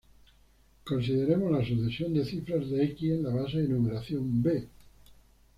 Consideremos la sucesión de cifras de "x" en la base de numeración "b".